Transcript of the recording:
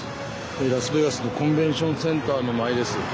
ラスベガスのコンベンションセンターの前です。